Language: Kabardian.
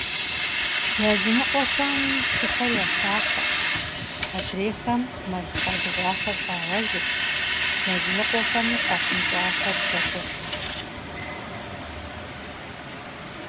Языныкъуэхэм шыхэр ялъахъэрт, адрейхэм мэл къадыгъуахэр фӀагъэжырт, языныкъуэхэми къахъунщӀахэр ягуэшырт.